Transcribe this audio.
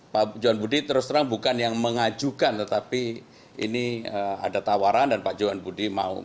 pak johan budi terus terang bukan yang mengajukan tetapi ini ada tawaran dan pak johan budi mau